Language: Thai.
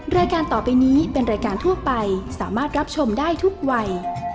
รายการต่อไปนี้เป็นรายการทั่วไปสามารถรับชมได้ทุกวัย